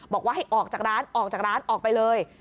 บอกว่าให้ออกจากร้านออกจากร้านออกไปเลย